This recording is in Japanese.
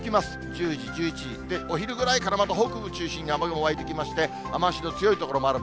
１０時、１１時、で、お昼ぐらいから、北部中心に雨雲湧いてきまして、雨足の強い所もある。